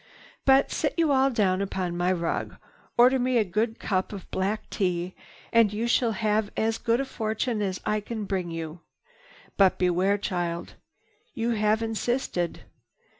"But sit you all down upon my rug. Order me a good cup of black tea and you shall have as good a fortune as I can bring you. But beware, child! You have insisted.